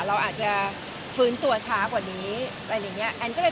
เราอาจจะฟื้นตัวช้ากว่านี้อะไรอย่างนี้